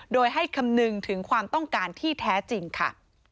โดยให้คำนึงถึงความต้องการที่แท้จริงค่ะ